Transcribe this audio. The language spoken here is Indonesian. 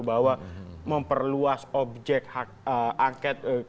bahwa memperluas objek angkat